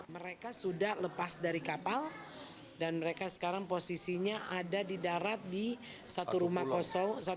mereka sudah lepas dari kapal dan mereka sekarang posisinya ada di darat di satu rumah kosong